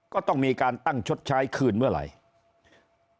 ก็ต้องมีการตั้งชดใช้คืนเมื่อไหร่